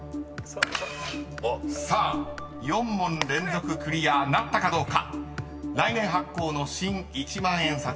［さあ４問連続クリアなったかどうか］